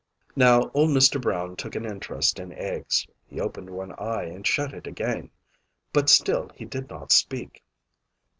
Now old Mr. Brown took an interest in eggs; he opened one eye and shut it again. But still he did not speak.